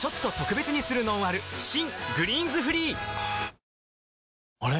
新「グリーンズフリー」あれ？